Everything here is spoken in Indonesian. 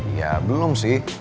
ya belum sih